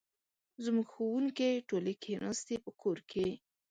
زموږ ښوونکې ټولې کښېناستي په کور کې